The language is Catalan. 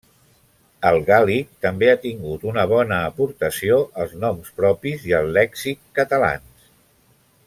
El gàl·lic també ha tingut una bona aportació als noms propis i al lèxic catalans.